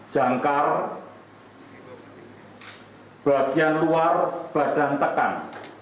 jangkar bagian luar badan tekan